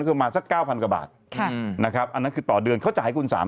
คือกระมาณสักเก้าพันกว่าบาทค่ะนะครับอันนั้นคือต่อเดือนเขาจะให้คุณสาม